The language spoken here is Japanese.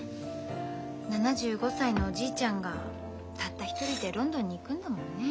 ７５歳のおじいちゃんがたった一人でロンドンに行くんだもんね。